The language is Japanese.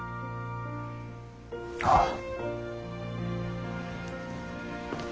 ああ。